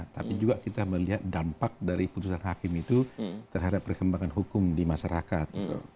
tapi juga kita melihat dampak dari putusan hakim itu terhadap perkembangan hukum di masyarakat